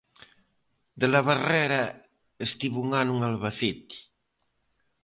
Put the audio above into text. De la Barrera estivo un ano en Albacete.